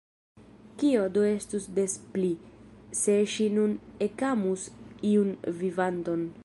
Kio do estus des pli, se ŝi nun ekamus iun vivanton!